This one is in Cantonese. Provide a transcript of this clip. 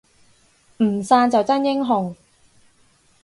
唔散就真英雄